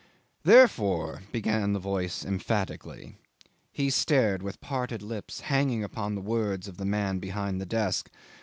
"Therefore, ..." began the voice emphatically. He stared with parted lips, hanging upon the words of the man behind the desk.